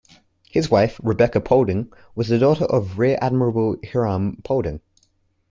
His wife, Rebecca Paulding, was the daughter of Rear Admiral Hiram Paulding.